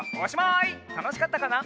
たのしかったかな？